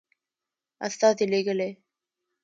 استازي لېږلي.